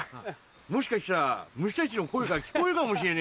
もしかしたら虫たちの声が聞こえるかもしれねえぞ。